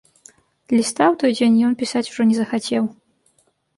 Ліста ў той дзень ён пісаць ужо не захацеў.